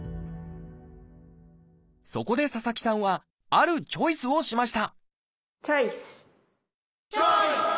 そこで佐々木さんはあるチョイスをしましたチョイス！